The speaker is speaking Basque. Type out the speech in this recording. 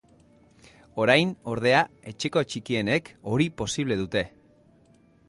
Orain, ordea, etxeko txikienek hori posible dute.